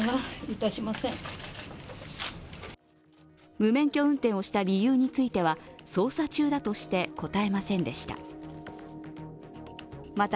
無免許運転をした理由については、捜査中だとして答えませんでした。